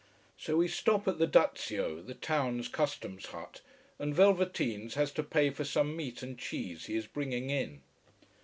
So, we stop at the Dazio, the town's customs hut, and velveteens has to pay for some meat and cheese he is bringing in.